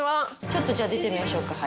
ちょっとじゃあ出てみましょうか。